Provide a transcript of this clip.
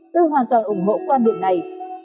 tôi hoàn toàn ủng hộ quan điểm này